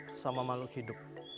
sesama makhluk hidup